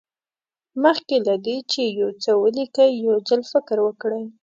مخکې له دې چې یو څه ولیکئ یو ځل فکر وکړئ.